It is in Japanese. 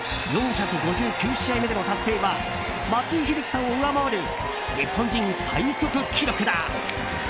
４５９試合目での達成は松井秀喜さんを上回る日本人最速記録だ。